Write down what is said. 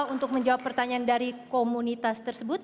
untuk menjawab pertanyaan dari komunitas tersebut